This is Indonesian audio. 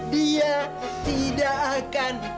dia tidak akan